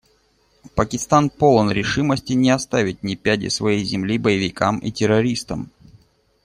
Пакистан полон решимости не оставить ни пяди своей земли боевикам и террористам.